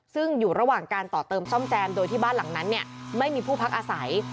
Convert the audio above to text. ซึ่งอยู่ระหว่างการต่อเติมซ่อมแจมโดยที่บ้านหลังนั้นไม่มีผู้พักอาศัย